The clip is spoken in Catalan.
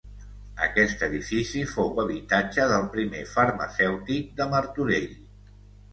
Aquest edifici fou habitatge del primer farmacèutic de Martorell.